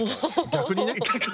逆にね？